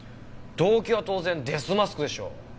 動機は当然デスマスクでしょ。